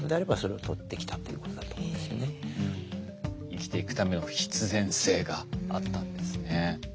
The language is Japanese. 生きていくための必然性があったんですね。